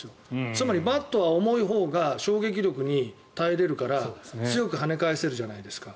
つまり、バットは重いほうが衝撃力に耐えられるから強く跳ね返せるじゃないですか。